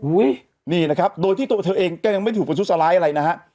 นี่นะครับโดยที่ตัวเธอเองก็ยังไม่ถูกประทุษร้ายอะไรนะฮะ